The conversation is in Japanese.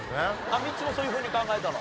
ミッツもそういうふうに考えたの？